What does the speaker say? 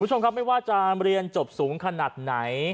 คุณผู้ชมครับไม่ว่าจะเรียนจบสูงขนาดไหน